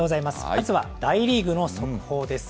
まずは大リーグの速報です。